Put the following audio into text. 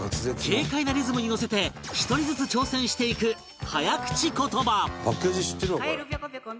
軽快なリズムに乗せて１人ずつ挑戦していく早口ことば